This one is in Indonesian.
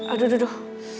aduh aduh aduh